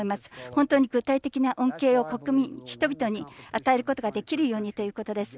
本当に具体的な恩恵を人々に与えることができるようにということです。